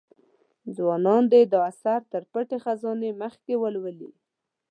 ځوانان دي دا اثر تر پټې خزانې مخکې ولولي.